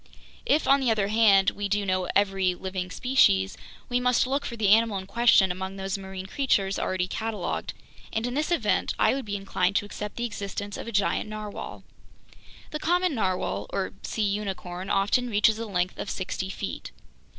"If, on the other hand, we do know every living species, we must look for the animal in question among those marine creatures already cataloged, and in this event I would be inclined to accept the existence of a giant narwhale. "The common narwhale, or sea unicorn, often reaches a length of sixty feet.